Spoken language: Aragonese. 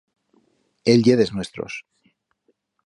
Él ye d'es nuestros.